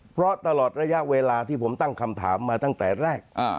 เพราะตลอดระยะเวลาที่ผมตั้งคำถามมาตั้งแต่แรก